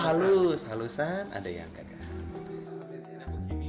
halus halusan ada yang gagal